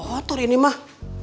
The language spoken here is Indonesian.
kotor ini mah